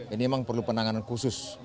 ini memang perlu penanganan khusus